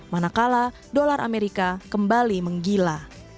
manakala dolar amerika kembali menggila